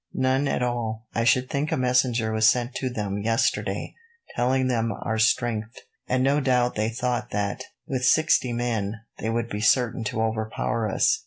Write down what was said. "None at all. I should think a messenger was sent to them, yesterday, telling them our strength; and no doubt they thought that, with sixty men, they would be certain to overpower us.